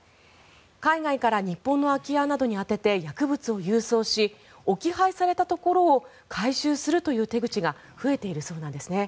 海外から日本の空き家などに宛てて薬物を郵送し置き配されたところを回収するという手口が増えているそうなんですね。